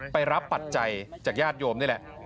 รับปัจจัยจากญาติโยมนี่แหละ